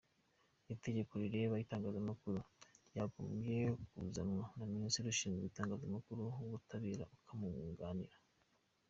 Itegeko rireba itangazamakuru ryagombye kuzanwa na ministre ushinzwe itangazamakuru uw’ubutabera akamwunganira